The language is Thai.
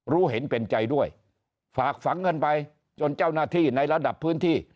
รู้เห็นเป็นใจด้วยฝากฝังเงินไปจนเจ้าหน้าที่ในระดับพื้นที่